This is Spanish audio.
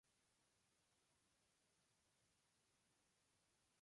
Su capital es la ciudad de Coblenza.